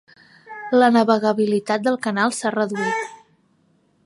La navegabilitat del canal s'ha reduït.